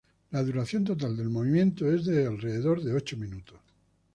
La duración total del movimiento es de alrededor de ocho minutos.